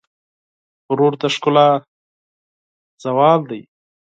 غرور د ښکلا زوال دی.